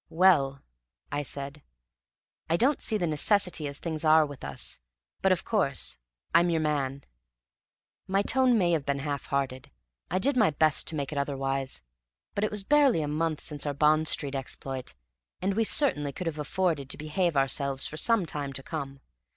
"Well," I said, "I don't see the necessity as things are with us; but, of course, I'm your man." My tone may have been half hearted. I did my best to make it otherwise. But it was barely a month since our Bond Street exploit, and we certainly could have afforded to behave ourselves for some time to come.